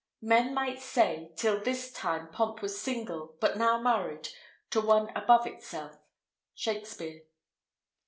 Men might say Till this time pomp was single, but now married To one above itself. Shakspere.